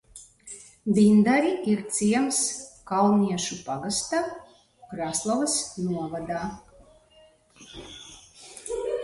Bindari ir ciems Kalniešu pagastā, Krāslavas novadā.